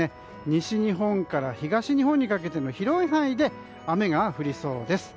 西日本から東日本にかけての広い範囲で雨が降りそうです。